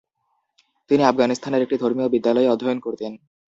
তিনি আফগানিস্তানের একটি ধর্মীয় বিদ্যালয়ে অধ্যয়ন করতেন।